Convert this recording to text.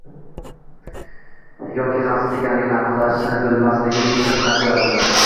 yoki xavfsiz ekanligini aniqlashni bilmasligini esdan chiqarib qo‘yadilar.